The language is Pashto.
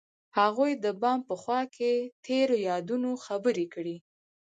هغوی د بام په خوا کې تیرو یادونو خبرې کړې.